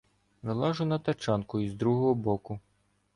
Вилажу на тачанку із другого боку.